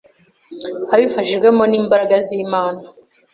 abifashijwemo n’imbaraga z’Imana